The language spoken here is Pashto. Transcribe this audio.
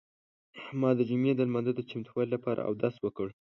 ما د جمعې د لمانځه د چمتووالي لپاره اودس وکړ.